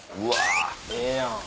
ええやん。